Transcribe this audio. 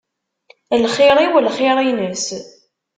Lxir-iw, lxir-ines.